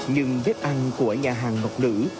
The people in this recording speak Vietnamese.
nhưng bếp ăn của nhà hàng ngọc nữ